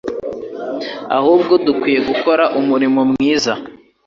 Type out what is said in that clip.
ahubwo dukwiye gukora umurimo mwiza